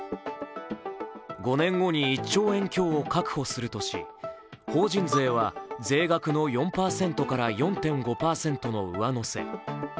５年後に１兆円強を確保するとし法人税は税額の４％から４．５％の上乗せ。